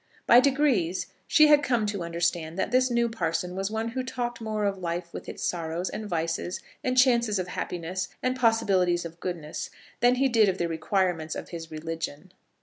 By degrees she had come to understand that this new parson was one who talked more of life with its sorrows, and vices, and chances of happiness, and possibilities of goodness, than he did of the requirements of his religion.